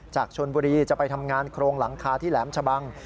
จากชนบุรีจะไปทำงานโครงหลังคาที่แหลมชะบัง